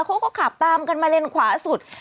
เขาก็ขับตามกันมาเลนขวาสุด